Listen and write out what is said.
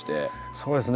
そうですね。